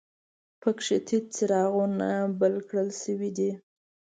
په کې تت څراغونه بل کړل شوي دي.